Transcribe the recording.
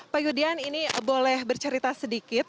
pak yudian ini boleh bercerita sedikit